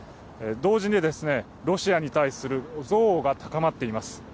同時に、ロシアに対する憎悪が高まっています。